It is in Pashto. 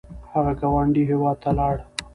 هغه ګاونډي هیواد ته لاړ